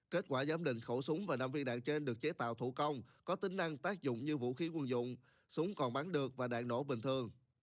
kết quả giám định khẩu súng và năm viên đạn trên được chế tạo thủ công có tính năng tác dụng như vũ khí quân dụng súng còn bắn được và đạn nổ bình thường